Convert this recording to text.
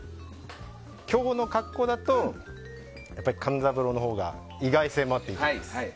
今日の格好だとやっぱり勘三郎のほうが意外性もあって、いいと思います。